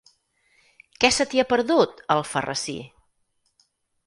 Què se t'hi ha perdut, a Alfarrasí?